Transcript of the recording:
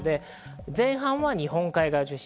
前半は日本海側が中心。